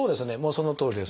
そのとおりです。